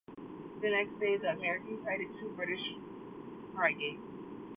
The next day, The Americans sighted two British frigates.